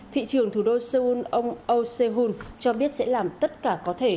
thị trường thủ đô seoul ông oh se hoon cho biết sẽ làm tất cả có thể